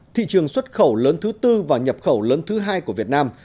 thị trường xuất khẩu lớn thứ tư và nhập khẩu lớn thứ hai của việt nam